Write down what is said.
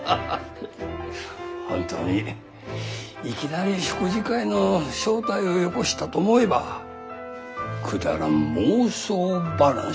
本当にいきなり食事会の招待をよこしたと思えばくだらん妄想話。